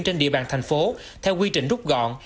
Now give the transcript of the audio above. trên địa bàn thành phố theo quy trình rút gọn